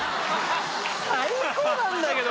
最高なんだけど。